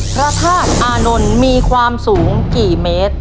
พระธาตุอานนท์มีความสูงกี่เมตร